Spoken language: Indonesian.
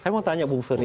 saya mau tanya bu ferry